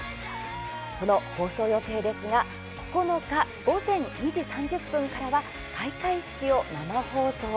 その放送予定ですが９日、午前２時３０分からは開会式を生放送。